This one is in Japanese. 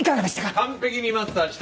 完璧にマスターした。